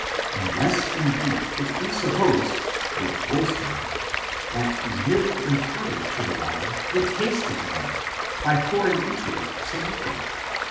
unless indeed it be supposed, with Woolston, that he merely imparted to the water the taste of wine, by pouring into it some liquor.